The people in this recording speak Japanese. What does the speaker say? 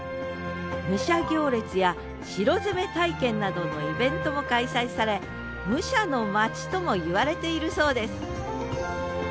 武者行列や城攻め体験などのイベントも開催され武者のまちともいわれているそうです